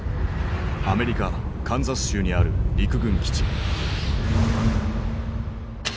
アメリカカンザス州にある陸軍基地。